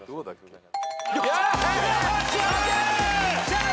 よっしゃー！